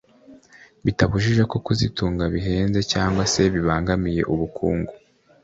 bitabujije ko kuzitunga bihenze cyangwa se bibangamiye ubukungu